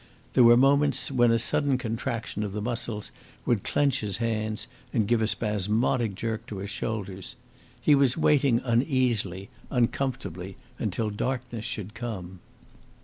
There were moments when a sudden contraction of the muscles would clench his hands and give a spasmodic jerk to his shoulders. He was waiting uneasily, uncomfortably, until darkness should come.